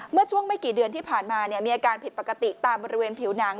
เมื่อช่วงไม่กี่เดือนที่ผ่านมามีอาการผิดปกติตามบริเวณผิวหนัง